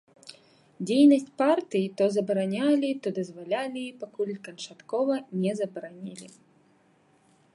Дзейнасць партыі то забаранялі, то дазвалялі, пакуль канчаткова не забаранілі.